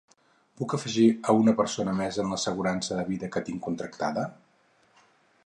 Puc afegir a una persona més en l'assegurança de vida que tinc contractada?